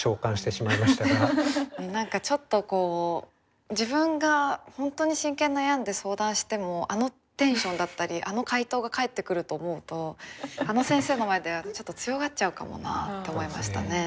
何かちょっとこう自分が本当に真剣に悩んで相談してもあのテンションだったりあの回答が返ってくると思うとあの先生の前ではちょっと強がっちゃうかもなあって思いましたね。